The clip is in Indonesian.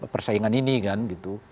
persaingan ini kan gitu